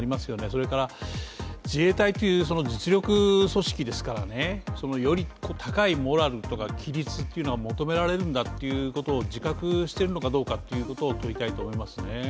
それから、自衛隊という実力組織ですから、より高いモラルとか規律を求められるんだということを自覚しているのかどうかということを問いたいですね。